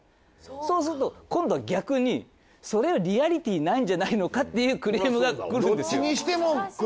そうすると今度は逆にそれはリアリティーないんじゃないのかっていうクレームが来るんですよ。